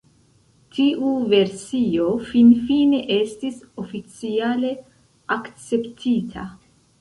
Tiu versio finfine estis oficiale akceptita.